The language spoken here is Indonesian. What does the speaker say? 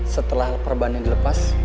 setelah perban yang dilepas